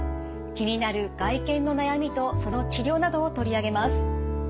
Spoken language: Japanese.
気になる外見の悩みとその治療などを取り上げます。